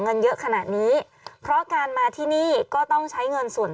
เงินเยอะขนาดนี้เพราะการมาที่นี่ก็ต้องใช้เงินส่วน